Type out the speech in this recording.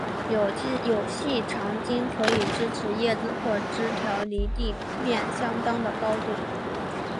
有细长茎可以支持叶子或枝条离地面相当的高度。